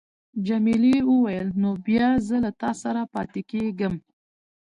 جميلې وويل: نو بیا زه له تا سره پاتېږم.